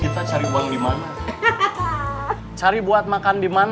cari uang dimana cari buat makan dimana cari buat makan dimana cari buat makan dimana